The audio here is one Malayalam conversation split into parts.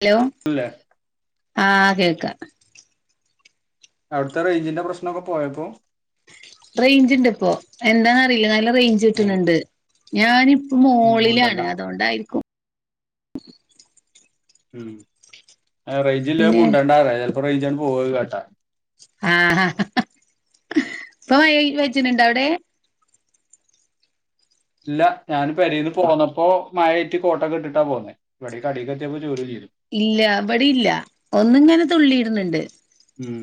ഹലോ അല്ലേ ആഹ് കേക്കാ അഔട്ത്തെ റൈഞ്ചിന്റെ പ്രശ്നൊക്കെ പോയപ്പോ റേയ്ഞ്ച് ണ്ട് പ്പോ എന്താ ന്നറീല നല്ല റേയ്ഞ്ച് ഉം ട്ട്ണ് ണ്ട് ഞാന്പ്പൊ മുണ്ടണ്ട മോളിലാണ് അതോണ്ടായിരിക്കും ഉം റേഞ്ചില്ലത് പിന്നെ മുണ്ടേണ്ടാറയാ ചെലപ്പോ റേഞ്ചണ് പോവുത് കേട്ടാ ആഹ് ആഹാ ഇപ്പ മായേയ് പെച്ച്ണ് ണ്ടവടെ ഇല്ല ഞാൻ പെരീന്ന് പോന്നപ്പോ മഴയ്റ്റ് കോട്ടൊക്കെ ട്ട്ട്ടാ പോന്നേ വടെ ഈ കടീക്കെത്യേപ്പോ ചോരൂം ചെയ്തു ഇല്ല ഇബടീല്ല ഒന്ന് ങ്ങനെ തുള്ളീട്ണ് ണ്ട്. ഉം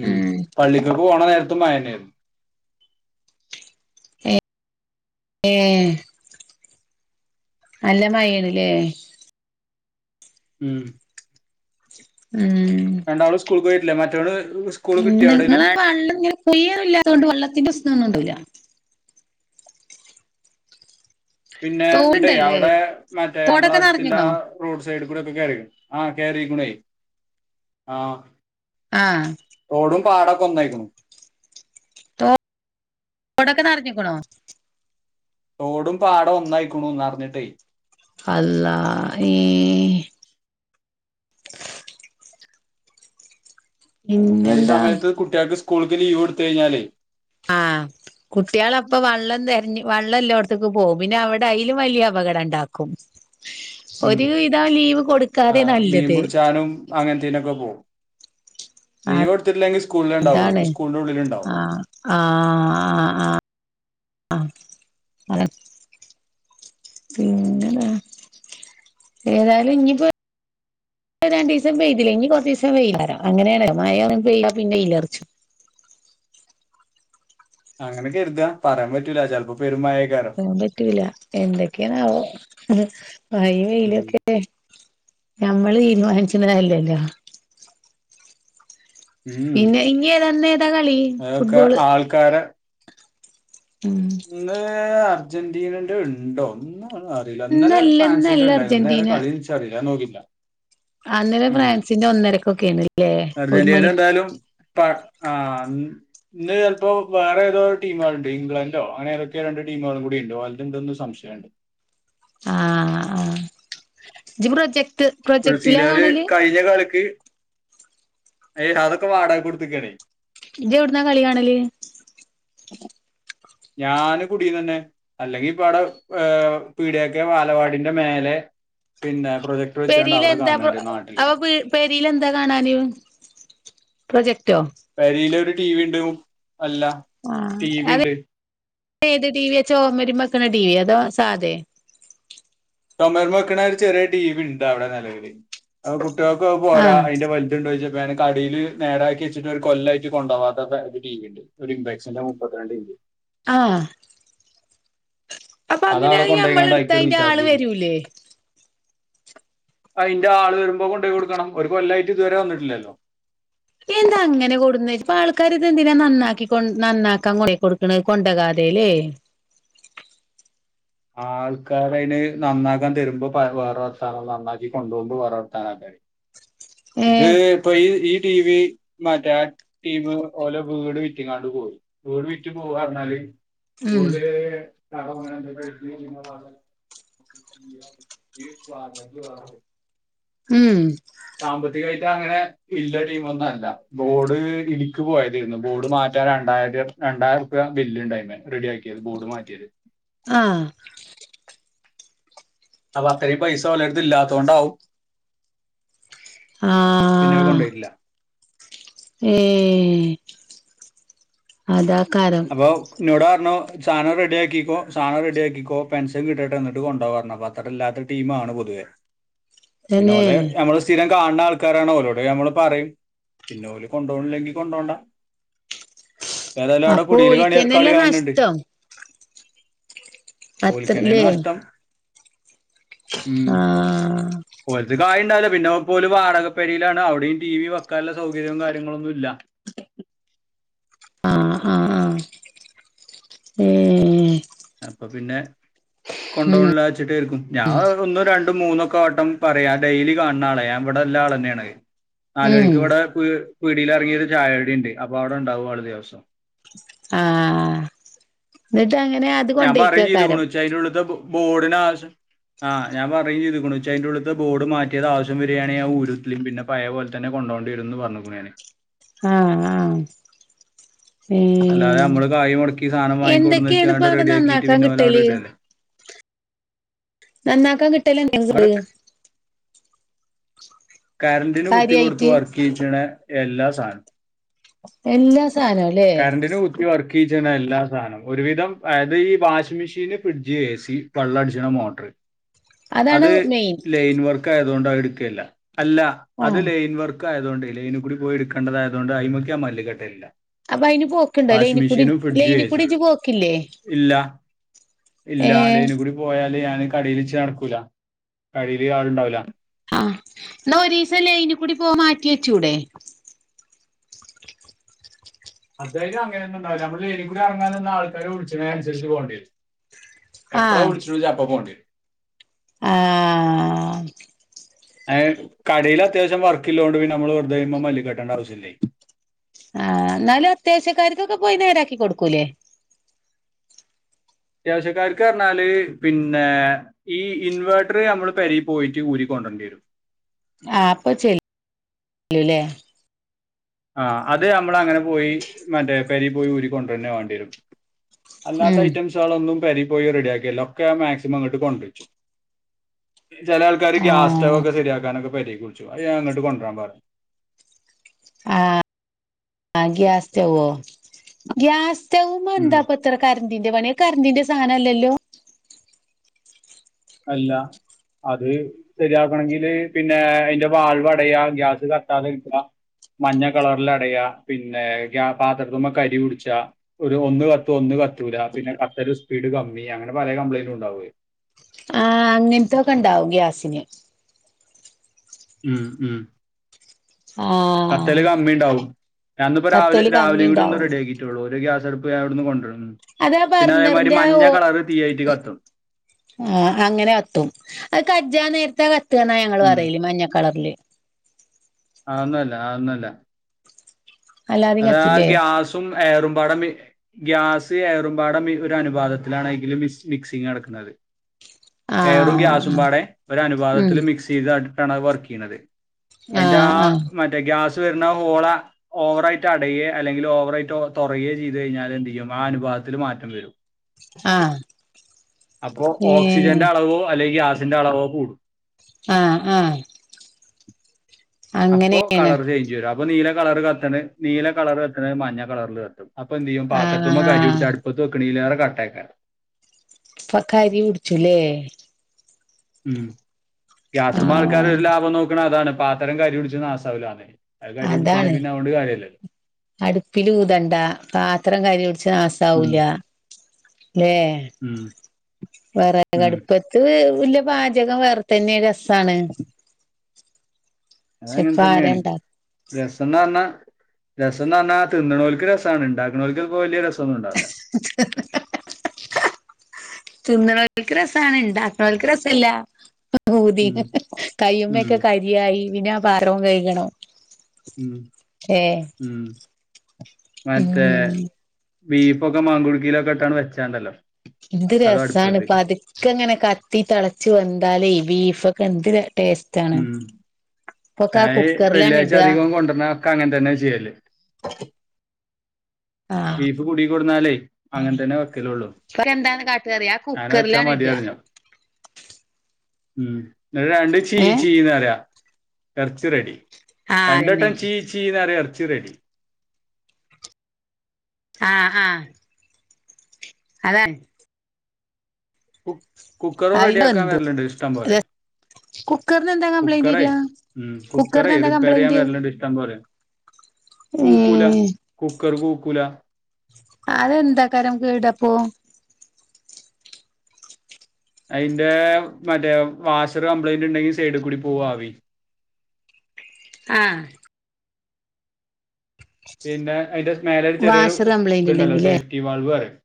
ഉം പള്ളിക്കക്ക് പോണ നേരത്തും മയെന്നേര്ന്നു. ഏഹെ നല്ല മയേന്നുലേ ഉം ഉം രണ്ടാളും സ്കൂൾക്ക് പോയിറ്റില്ലെ മറ്റോള് സ് [unintelligible] പിന്നെ ങ്ങള് പണ്ടുങ്ങനെ ക്ലിയറില്ലാത്തോണ്ട് വള്ളത്തിന്റെ പ്രശ്നൊന്നും ഉണ്ടൂല്ല പിന്നേ ണ്ട് തോടുണ്ടല്ലേ അവടെ മറ്റേ മ്മളെ തോടൊക്കെ അട്ത്തില്ലാ നിറഞ്ഞിക്കണോ അഹ റോഡ് സൈഡ് കൂടെക്കെ കെയറീക്കുണയ് ആഹ് കെയറീക്കുണയ് ആഹ് ആഹ് റോഡും പാടൊക്കെ ഒന്നൈക്കുണു. റൊഡോക്കെ നർഞ്ഞുക്കുണോ? റോഡും പാടോം ഒന്നൈക്കുണു നർഞ്ഞ്ട്ടെയ് അള്ളാ ഹേ അല്ല ഈ പിന്നെന്താ സമയത്ത് കുട്ട്യാക്ക് സ്കൂൾക്ക് ലീവൊട്ത്ത് കഴിഞ്ഞാലെയ് കുട്ട്യാള പ്പൊ വള്ളം തെരഞ്ഞ് വള്ളല്ലോടത്ത്ക്ക് പോവും പിന്നെ അവിടെ ഐലും വല്ല്യേ അപകട ണ്ടാക്കും. ഉം കൊടുക്കാതെ ആഹ് മീം നല്ലത് പുടിച്ചാനും അങ്ങൻ ത്തീനൊക്കെ പോവും. ലീവ് കൊട്ത്ത്ട്ടില്ലെങ്കി സ്കൂളി ണ്ടാവോ അതാണ് സ്കൂളിന്റെ ഉള്ളില് ണ്ടാവും. ആഹ് ആഹ് ആഹ് ആഹ് അതന്നെ പിന്നടാ ഏതായാലും ഞ്ഞിപ്പോ പ്പ രണ്ടീസം പെയ്തിലെ ഞ്ഞി കൊർച്ചീസം വെയ്ലാക്കാരം അങ്ങനെണല്ലോ മഴ ഒന്ന് പെയ്താ പിന്നെ വെയ്ലറിച്ചും. അങ്ങനെ കെരുതാ പറയാൻ പറ്റൂല ചിലപ്പോ പെരു മയേക്കാരോ പറൻ പറ്റുല എന്തൊക്കെയണാവോ മയയും ഉം വെയിലൊക്കെ ക്കെ ഞമ്മള് തീരുമാനിച്ച്ണതല്ലല്ലോ ഉം പിന്നെ ഇഞ്ഞെ ഏതാ ഇന്ന് ഏതാ കളി അതൊക്കെ ഫുട്ബോള് ആൾക്കാരെ ഉം ഇന്ന് അർജന്റീനന്റെ ഇണ്ടോ ഇന്നാണ് അ റീല ഇന്നലെ ഇന്നല്ല ഫ്രാൻസിന്റെ ഇന്നല്ല ഇണ്ടായിരുന്നു ഇന്ന് ഏതാ അർജന്റീന കളിചറില്ല ഞ്ഞാൻ നോക്കിട്ടില്ല ആഹാ ഇന്നലെ ഫ്രാൻസിന്റെ ഒന്നരക്കൊക്കെ ആണല്ലേ ഒരു മണി എന്നാലും ആഹ് ഇന്ന് ചെൽപ്പോ വേറെ ഏതോരു ടീമേൾണ്ട് ഇംഗ്ല ണ്ടോ അങ്ങനേതൊക്കെ രണ്ട് ടീമുകളും കൂടി ഇണ്ട്. ഓൽത് ണ്ട്ന്ന് സംശയണ്ട് ആഹ് ജ്ജ് പ്രൊജക്ട് പ്രൊജക്ടിലാ ബ്രസീലുകാര് കാണല്? [unintelligible] കളിക്ക് ഏ അതൊക്കെ വാടകക്ക്‌ കൊട്ത്തക്കാണേ ജ്ജ് എവ്ടുന്നാ കളി കാണല് ഞാന് കുടീന്നന്നെ അല്ലെങ്കി ഇപ്പ ആടെ പീഡ്യൊക്കെ വാലവാടിന്റെ മേലെ പിന്നെ പ്രൊജക് പെരീല് എന്താപ്പ അപ്പൊ പീ പെരീല് എന്താ കാണാന് പ്രൊജക്ടോ പെരീല് ഒരു ടി വി ഇണ്ട് അല്ല ആഹ് ടി വി അത് ഉണ്ട് ഏത് ടി വി ചൊമര്മ്മ വെക്ക്ണ ടി വ്യോ അതോ സാധേ ചൊമര്മ്മ വെക്ക്ണ ഒരു ചെറിയ ടി വി ണ്ട് അവ്ടെ നെലവില്. അപ്പൊ കുട്ട്യാക്ക് അത് പോരാ ആഹ് അയ്ന്റെ വൽ ത്ണ്ടോയ്ച്ചപ്പോ കടേല് നേരാക്കി വച്ചിട്ട് ഒരു കൊല്ലായിട്ട് കൊണ്ടോവാത്ത ഒരു ടി വി ണ്ട് ഒരു ഇമ്പെക്സിന്റെ മുപ്പത്തി രണ്ട് ഇഞ്ജ് ആഹ് അപ്പ അത് അങ്ങനെ അവിടെ അയ് നമ്മള് കൊണ്ടുപോയിക്കാണ്ട് ഇട്ത്ത അതിക്ക് അയ്ന്റെ റീചാർജ് ആള് ചെയ്തു വരൂലേ? അയ്ന്റെ ആള് വര്മ്പോ കൊണ്ടോയി കൊട്ക്കണം. ഒരു കൊല്ലായിട്ട് ഇതുവരെ വന്നിട്ടില്ലല്ലോ. എന്താ അങ്ങനെ കൊട്ന്നെ പ്പ ആൾക്കാരിതെന്തിനാ നന്നാക്കി കൊ നന്നാക്കാൻ കൊണ്ടേ കൊട് ക്ക്ണ കൊണ്ടകാതേല്ലേ ആൾക്കാരയ്ന് നന്നാക്കാൻ തരുമ്പോ വേറെ വർത്താനും നന്നാക്കി കൊണ്ടോവ്മ്പോ വേറെ വർത്താനു ആക്കരം ഇത് ഏഹ് ഇപ്പൊ ഈ ഈ ടീ വി മറ്റാ ടീമ് ഓലെ വീട് വിറ്റിങ്ങാണ്ട് പോയി വീട് വിറ്റ് പോവാ ർഞ്ഞാല് ഉം ഓല് [unintelligible] ഉം സാമ്പത്തികായിട്ട് അങ്ങനെ ഇല്ല ടീമൊന്നല്ല. ബോഡ് ഇടിക്ക് പോയതേര്ന്നു. ബോഡ് മാറ്റ രണ്ടായിരം രണ്ടായിരം ർപ്യ ബില്ല്ണ്ടയ്മ്മെ റെഡിയാക്കിയത് ബോർഡ് മാറ്റിയത് ആഹ് അപ്പൊ അത്തരിം പൈസ ഓലെര്ത്ത് ഇല്ലാത്തോണ്ടാവും ആഹ് പിന്നെ അത് കൊണ്ടോയ്ട്ട്ല്ല. ഏഹ് അതാക്കാരം അപ്പൊ ഇന്നോട് പർഞ്ഞു സാനം റെഡ്യാക്കിക്കോ സാനം റെഡ്യാക്കിക്കോ പെൻഷൻ കിട്ടട്ടെ ന്നിട്ട് കൊണ്ടോവാർഞ്ഞ് ല്ലാത്ത ടീമാണ് പൊതുവെ പിന്നെ തന്നെ ഓലെ നമ്മള് സ്ത് സ്ഥിരം കാണ്ണ ആൾക്കാരാണ്. ഓലോട് നമ്മള് പറിം. പിന്നെ ഓല് കൊണ്ടോൺല്ലെങ്കി കൊണ്ടോണ്ട ഏതായാലും അവ്ടെ അപ്പൊ കുടീല് കളി ഓൽക്കന്നെല്ലേ കാണ്ണ്ട് നഷ്ടം ഓല്ക്കെന്നെയാണ് അത്രല്ലേ നഷ്ടം ഉം ആ ഓൽത്ത് കായ് ണ്ടാവുല്ല. പിന്നെ പ്പോ ഓല് വാടക പെരീലാണ് അവിടെയും ടി വി വെക്കാള്ള സൗകര്യവും കാര്യങ്ങളൊന്നും ഇല്ല. ആഹ് ആഹ് ആഹ് ഏഹ് ഏഹ് അപ്പൊ പിന്നെ ഉം കൊണ്ടോൺല്ല വെച്ചിട്ടേര്ക്കും. ഞാ ഒന്നും രണ്ടും മൂന്നൊക്കെ വട്ടം പറയും. ഞാ ഡെയിലി കാൺണ ആളെ ഞാൻ ഇവടെ ഇല്ല ആളെന്നെയാണ് നാലു ഉം മണിക്ക് ഇവടെ പീഡ്യെലെർങ്ങിയൊര് ചായുടിണ്ട്. അപ്പൊ അവ്ടെ ഉണ്ടാവും ആള് ദിവസം ആഹ് ന്നിട്ട് അങ്ങനെ ഞാ പറിം കൊണ്ടയ്ക്കാക്കാരം ചെയ്തുക്ക്ണു ഇച്ച് അയ്ന്റുള്ള്ത്തെ ബോട്നാവശ്യം ആഹ് ഞാൻ പറയും ചെയ്ത്ക്ക്ണ്. ഇച്ച് അയ്ന്റെ ഉള്ള്ത്തെ ബോഡ് മാറ്റിയത് ആവിശ്യം വരിയാണെ ഞാ ഊരും പിന്നെ പയേ പോൽത്തന്നെ കൊണ്ടോണ്ടിയെര്ന്ന് പർഞ്ഞുക്ക്ണ് ഞാന് ആഹ് ആഹ് അല്ലാതെ നമ്മള് കായ് മൊട്ക്കി സാധനം വാങ്ങി കൊട്ന്ന് എന്തൊക്കെയാണ് ഇപ്പ വെച്ചാണ്ട് അവിടെ റെഡിയാക്കിയിട്ട് നന്നാക്കാൻ പിന്നെ ഓല് അവ്ടെ കിട്ടല് ഇടല്ലേ [inaudible] നന്നാക്കാൻ കിട്ടല് ഇവിടെ [unintelligible] കര്ന്റിന് കുത്തി കൊടുത്ത് കാര്യായിട്ട് വർക്കെയ്യ്ച്ച്ണ എല്ലാ സാനും എല്ലാ സാനോ ല്ലേ വർക്ക് ചെയ്ച്ചണ എല്ലാ സാനം ഒരുവിധം അതായത് ഈ washing machine fridge A C വള്ളംടിച്ണ മോട്ടർ അതാണ് അത് മെയിൻ ലെയ്ൻ വർക്ക് ക്കായതുകൊണ്ട് എടുക്കലില്ല അല്ല ആ അത് ലയിൻവർക്ക് ആയതുകണ്ട് ലൈന് കൂടി പോയി എടുക്കണ്ടതായതുകണ്ട് അ്മയ്ക്ക മല്ലുകട്ടൽ ഇല്ല അപ്പൊ അയിന് പോക്കുണ്ടോ വാഷി ലൈനിക്കൂടി മെഷീനും ഫ്രിഡ്ജും ഏസി ലൈനിക്കൂടി ഇജ്ജ് പോക്കില്ലേ ഇല്ല ഇല്ല ഏ ലൈനി കൂടി പോയാല് ഞാന് കടേൽച്ച് നടക്കൂല കടേൽ ആളുണ്ടാവൂല ആഹ എന്നാ ഒരു ദിവസം ലൈനി കൂടി പോൻ മാറ്റി വെചൂടെേ അതായാല് അങ്ങനൊന്നും ഉണ്ടാവുല നമ്മള് ലൈൻ കൂടി ഇറങ്ങാൻ നിന്ന ആൾക്കാര് വിളിച്ണേനുസരിച്ച് പോണ്ടി വെരും എപ്പളാ വിളിച്ച്ണുച്ച അപ്പം പോണ്ടിവെരും ആഹ ഏഹ് കടയിൽ അത്യാവശ്യം വർക്കില്ലോണ്ട് പിന്നെ നമ്മള് വെറുതെ അയിമ്മെ മല്ലി കട്ടേണ്ട ആവശ്യമില്ലേ ആ് ഇന്നാലും അത്യാവശ്യ കാര്ക്കൊക്കെ പോയി നേരാക്കി കൊടുക്കൂല്ലേ അത്യാവശ്യക്കാർക്ക് പറഞ്ഞാല് പിന്നെ ഈ ഇൻവേർട്ടർ നമ്മള് പെരി പോയിട്ട് ഊരിക്കൊണ്ടെരെണ്ടി വരും ആഹ അപ്പൊ ചെല്ലു ലേ ആഹ്‌ അത് നമ്മൾ അങ്ങനെ പോയി മറ്റേ പെരി പോയി ഊരിക്കൊണ്ടരെന്നെ വേണ്ടി വരും അല്ലാത്ത ഉം ഐറ്റംസാൾ ഒന്നും പെരി പോയി റെഡി ആക്കെയെല്ല ഒക്കെ ഞാൻ മാക്സിമം ഇങ്ങിട്ട് കൊണ്ട് രിച്ചു ചില ആൾക്കാര് ഗ്യാസ് സ്റ്റവ് ആഹ് ഒക്കെ ശരിയാക്കാനൊക്കെ പെരിക്ക് വിളിച്ചും അത് ഞാൻ ഇങ്ങട്ട് കൊണ്ടരാൻ പറയും ആഹ ആഹ്‌ ഗ്യാസ് സ്റ്റാവ്വോ ഗ്യാസ് സ്റ്റാവ്മ്മെ ഉം എന്താ പ്പൊ ഇത്ര കരണ്ടിന്റെ പണി അത്‌ കരണ്ടിന്റെ സാനം അല്ലല്ലോ അല്ല അത് ശരിയാക്കണെങ്കില് പിന്നെ അതിന്റെ വാൾവ് അടയാ ഗ്യാസ് കട്ടാതെ ഇരിക്കുക മഞ്ഞ കളറ്ല് അടയാ പിന്നെ പാത്രത്തിമ്മെ കരി പിടിച്ചാ ഒരു ഒന്ന് കത്തും ഒന്ന് കത്തൂല പിന്നെ കത്തൽ ഒരു സ്പീഡ് കമ്മി അങ്ങനെ പല കംപ്ലയിന്റ് ഉണ്ടാവും ആഹ്‌ അങ്ങിന്ത്തൊക്കെ ഇണ്ടാവും ഗ്യാസിന് ഉം ഉം ആഹ് കത്തൽ കമ്മി ഇണ്ടാവും ഞാൻ ഇന്നിപ്പോ രാവിലെ കത്തല് കമ്മി രാവിലെകൂടി ഒന്ന് ഉണ്ടാവും റെഡി ആക്കി റ്റൊള്ളൂ ഒരു ഗ്യാസ് അടുപ്പ് ഞാൻ അവിടുന്ന് കൊണ്ടര് അതാ പിന്നെ അതേമാതിരി ബർണറിന്റെ മഞ്ഞ കളറ് തീ ആയിട്ട് കത്തും ആഹ്‌ അങ്ങനെ കത്തും അത് കജ്ജ നേരത്താ കത്താന്നാ ഞങ്ങള് ഉം പറല് മഞ്ഞ കളറില് അത്‌ ഒന്നുംല്ല ആ ഒന്നുംല്ല അല്ലാതിം അതാ കത്തൂലേ ഗ്യാസും എയറും പാടെ മ ഗ്യാസ് ഏറുമ്പാടെ ഒരു അനുപാതത്തിലാണ് എങ്കിലും മിക്സ് മിക്സിങ് നടക്കുന്നത് എയറും ആഹ് ആഹ് ഗ്യാസുംമ്പാടെ ഒരു ഉം അനുപാതത്തില് മിക്സ് ചെയ്ത ആട്ടിട്ടാണ് അത്‌ വർക്ക് ചെയ്യ്ണത് അയിന്റെ ആഹ് ആ ആഹ് മറ്റേ ഗ്യാസ് വരുന്ന ഹോള ഓവറയിട്ട് അടയെ അല്ലെങ്കിൽ ഓവറായി തൊറയേ ചെയ്തു കഴിഞ്ഞാൽ എന്ത് ചെയ്യും ആ അനുപാതത്തിൽ മാറ്റം വരും ആഹ അപ്പോൾ ഓക്സിജന്റെ അളവോ അല്ലെങ്കിൽ ഗ്യസിന്റെ അളവോ കൂടും ആഹ ആഹ്‌ അപ്പൊ അങ്ങനെയാണ് കളർ ചേഞ്ച് വരും അപ്പൊ നീല കളർ കത്തണ് നീല കളർ കത്ത്ണെ മഞ്ഞ കളറിൽ കത്തും അപ്പ എന്തേയ്യും പാത്രത്തുമ്മ കരി ആഹ് പിടിച്ച അടുപ്പത്ത് വെക്കുണീലേറെ കട്ടേയ്ക്കാരേം അപ്പ കരിപ്പിടിച്ചുലെ ഉം ഗ്യാസ്മ്മെ ആൾക്കാര് ആഹ് ഒരു ലാഭം നോക്കണ അതാണ് പാത്രം കരിപിട്ചു നാസാവൂലാന്ന് അത് കരിപിടിച്ചാണെങ്കി പിന്നെ അതോണ്ട് കാര്യല്യല്ലോ അടുപ്പിലൂതണ്ട പാത്രം കരിപിടിച്ച് ഉം നാസാവൂല്ല ല്ലേ ഉം ഉം വേറെകടുപ്പത്ത് വല്ല പാചകം വേറെ തന്നെ രസാണ് അത് പക്ഷെ അങ്ങൻ ഇപ്പ ആരാ തന്നേണ് ഇണ്ടാക്ക രസന്ന്റഞ്ഞ രസന്ന്റഞ്ഞ തിന്ന്ണോല്ക്ക് രസാണ് ഇണ്ടാക്ക്ണോൽക്ക് ചെൽപോ വെല്യ രസൊന്നും ഉണ്ടാവൂല [inaudible] തിന്ന്ണോല്ക്ക് രസാണ് ഇണ്ടക്ക്ണോല്ക്ക് രസല്ല ഉം ഊതീണ് ഉം കയ്യ്മക്കെ കരിയായി പിന്നെ ആ പത്രോം കഴികണോ ഉം ഉം മറ്റേ ഉം ബീഫൊക്കെ മാങ്കുടുക്കീലൊക്കെട്ടങ്ങട്ട് വെച്ചാണ്ടല്ലോ ന്ത് അതോ രസാണ് അടുപ്പത്ത് പത് ക്കങ്ങനെ കത്തി തെളച്ചു വന്താലേ ബീഫൊക്കെ എന്ത് ടേസ്റ്റ് ആണ് ഉം ഇപ്പൊക്കെ ആ അയ് കുക്കറിലാണ് വെള്ളിയാഴ്ച ഇടുക അധികം കൊണ്ടുവരന ക്കങ്ങനതന്നെ ചെയ്യല് ആഹ് ബീഫ് കുടി കൊട്ന്നാലേ അങ്ങൻതന്നെ വെക്കലുള്ളൂ പഎന്താണ് കാട്ടാറിയ ആ അങ്ങനെ വെച്ചാ കുക്കറിലാണ് മതി ഇട്ആ അറിഞ്ഞു ഉം ഇന്നട്ട് രണ്ട് ഏഹ് ചീചീന്ന്റയാ എറച്ചി റെഡി ആഹ് രണ്ട അതന്നെ ട്ടം ചീചീന്ന്റിയ എറച്ചി റെഡി ആഹ് ആഹ് അതാ കു കുക്കറും അയിന് റെഡിയാക്കാൻ വെന്തു വരല്ണ്ട് ഇഷ്ടം പോലെ കുക്കറിന് എന്താ കംപ്ലൈന്റ് കുക്കറെ വരിക ഉം കുക്കറെ കുക്കറിന് എന്താ റിപ്പയറയ്യാൻ കംപ്ലൈന്റ് വേരെല്ണ്ട് ഇഷ്ട്ടംപോല കൂക്കൂല ഏഹ് കുക്കർ കൂക്കൂല അതെന്താകാരം കേട്അപ്പൊ അയിന്റെ മറ്റേ വാഷർ കംപ്ലൈന്റ്ണ്ടെങ്കിൽ സൈഡിൽ കൂടി പോവും ആവി ആഹ് പിന്നെ അയിന്റെ സ്മേലെ ചെറിയൊരു വാഷർ കംപ്ലൈന്റ് ഇതുണ്ടല്ലോ ഉണ്ടെങ്കിലേ സേഫ്റ്റി വാൾവ് അറിം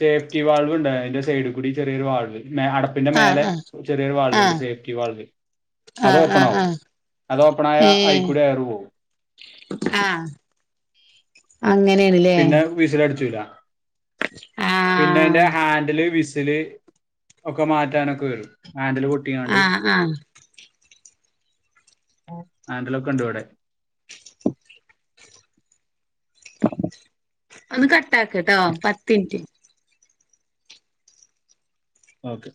സേഫ്റ്റി വാൾവ് ണ്ട് അയിന്റെ സൈഡി കൂടി ചെറിയൊരു വാൾവ് മേ അട ആഹ് പിന്നെമേലെ ആഹ് ചെറിയൊരു വാൾവ്ണ്ട് ആഹ് സേഫ്റ്റി വാൾവ് ആഹ് ആഹ് അതോപ്പണാവും ആഹ് അതോപ്പണായ ഏഹ് അയികൂടി എയർപോവും ആഹ് അങ്ങനെണ്ല്ലേ വിസില ട്ചൂല പിന്നെ ആഹ് അയിന്റെ ഹാൻന്റല് വിസില് ഒക്കെമാറ്റാനൊക്കെ വരും ഹാൻന്റൽ പൊട്ടിയാണ്ട് ആഹ് ആഹ് ആന്റലൊക്കെണ്ട് വടെ ഒന്ന് കട്ടാക്ക്ട്ടോ പത്തിൻറ്റ് ഓക്കെ